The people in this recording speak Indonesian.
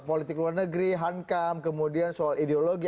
politik luar negeri hankam kemudian soal ideologi